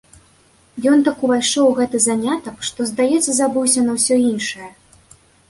Ён так увайшоў у гэты занятак, што, здаецца, забыўся на ўсё іншае.